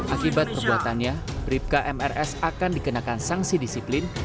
akibat perbuatannya bkmrs akan dikenakan sanksi disiplin